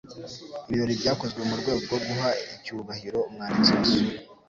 Ibirori byakozwe mu rwego rwo guha icyubahiro umwanditsi wasuye.